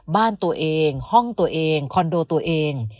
บ้านตัวเองห้องตัวเองคอนโดตัวเอง